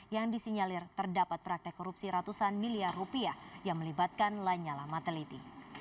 yang disinyalir terdapat praktek korupsi ratusan miliar rupiah yang melibatkan lanyala mateliti